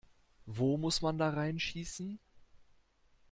Wo muss man da reinschießen?